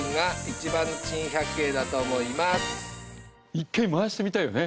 １回回してみたいよね。